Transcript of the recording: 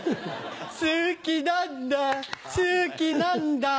好きなんだ好きなんだ